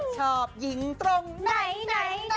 ชอบหญิงตรงไหน